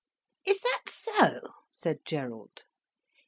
"Is that so?" said Gerald.